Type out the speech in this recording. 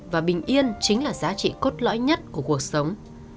và bình yên chính là giá trị cốt lõi nhất của cuộc sống